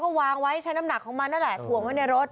ก็วางไว้ใช้น้ำหนักของมันนั่นแหละถ่วงไว้ในรถ